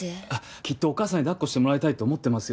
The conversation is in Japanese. きっとお母さんに抱っこしてもらいたいと思ってますよ。